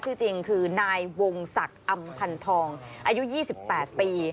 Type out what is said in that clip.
ชื่อจริงคือนายวงศักดิ์อำพันธองอายุ๒๘ปี